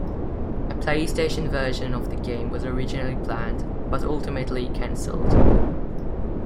A PlayStation version of the game was originally planned, but ultimately cancelled.